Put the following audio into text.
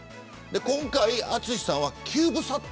今回、淳さんはキューブサット。